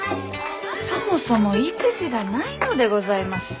そもそも意気地がないのでございます！